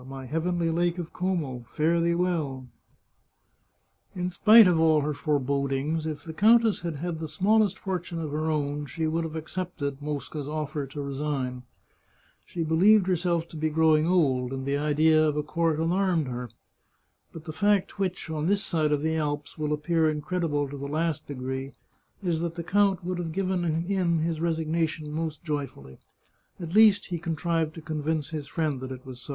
my heavenly Lake of Como, fare thee well I " io8 The Chartreuse of Parma In spite of all her forebodings, if the countess had had the smallest fortune of her own, she would have accepted Mosca's offer to resign. She believed herself to be grow ing old, and the idea of a court alarmed her. But the fact which, on this side of the Alps, will appear incredible to the last degree, is that the count would have given in his resig nation most joyfully. At least he contrived to convince his friend that so it was.